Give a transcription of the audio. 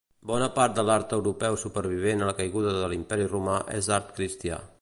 Bona part de l'art europeu supervivent a la caiguda de l'Imperi romà és art cristià.